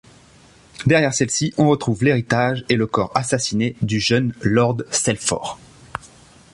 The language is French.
Derrière celle-ci, on retrouve l'héritage et le corps assassiné du jeune Lord Selford.